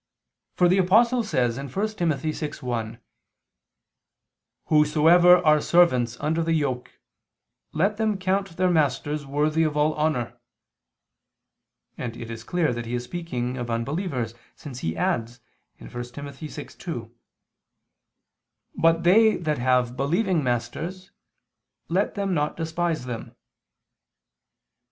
For the Apostle says (1 Tim. 6:1): "Whosoever are servants under the yoke, let them count their masters worthy of all honor": and it is clear that he is speaking of unbelievers, since he adds (1 Tim. 6:2): "But they that have believing masters, let them not despise them."